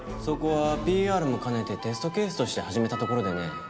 そこはＰＲも兼ねてテストケースとして始めたところでね。